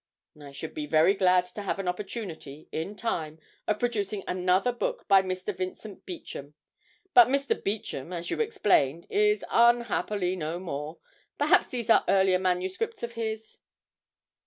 'I should be very glad to have an opportunity, in time, of producing another book by Mr. Vincent Beauchamp but Mr. Beauchamp, as you explained, is unhappily no more. Perhaps these are earlier manuscripts of his?'